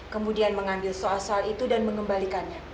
kemudian mengambil soal soal itu dan mengembalikannya